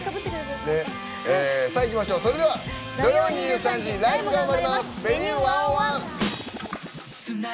それでは土曜２３時ライブが生まれます。